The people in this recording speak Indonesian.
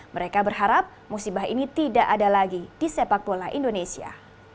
mereka berharap musibah ini tidak ada lagi di sepak bola indonesia